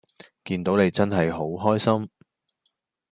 見到你真係好開心